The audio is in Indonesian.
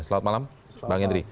selamat malam bang hendry